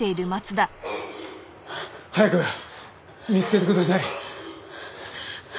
「」早く見つけてください。